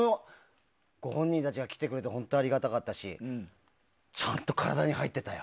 ご本人たちが来てくれて本当にありがたかったしちゃんと体に入ってたよ。